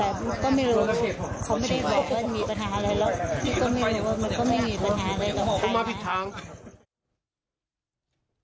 พี่ก็ไม่รู้ว่ามันก็ไม่มีปัญหาอะไรต่อไปนะ